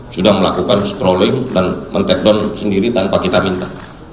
sudah melakukan scrolling dan men take down sendiri tanpa kita minta